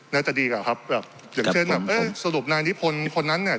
น่าจะดีกว่าครับแบบอย่างเช่นแบบเออสรุปนายนิพนธ์คนนั้นเนี่ย